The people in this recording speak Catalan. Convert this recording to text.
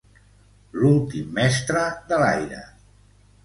L'últim mestre de l'aire.